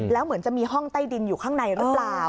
แล้วเหมือนจะมีห้องใต้ดินอยู่ข้างในหรือเปล่า